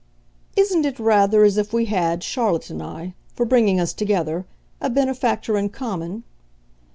"Isn't it rather as if we had, Charlotte and I, for bringing us together, a benefactor in common?"